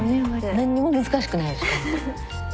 何にも難しくないしかも。